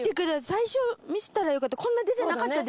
最初見せたらよかった。